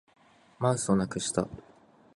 マウスをなくした